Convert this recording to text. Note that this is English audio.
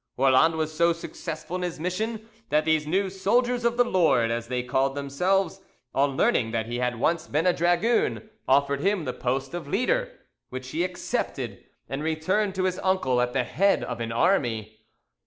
Roland was so successful in his mission that these new "soldiers of the Lord," as they called themselves, on learning that he had once been a dragoon, offered him the post of leader, which he accepted, and returned to his uncle at the head of an army.